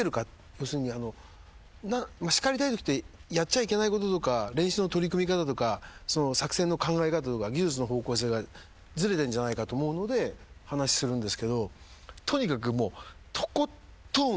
要するに叱りたいときってやっちゃいけないこととか練習の取り組み方とか作戦の考え方とか技術の方向性がずれてんじゃないかと思うので話するんですけどとにかくもうとことんしがみつきます。